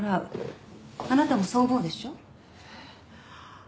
あなたもそう思うでしょ？